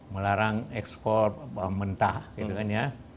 melarang ekspor bawang mentah gitu kan ya